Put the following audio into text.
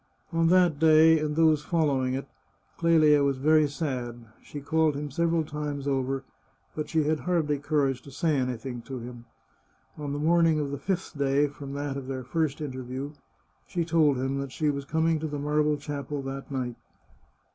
On that day, and those following it, Clelia was very sad. She called him several times over, but she had hardly courage to say anything to him. On the morning of the fifth day from that of their first interview, she told him she was coming to the marble chapel that night.